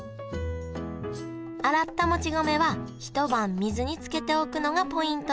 洗ったもち米はひと晩水につけておくのがポイントです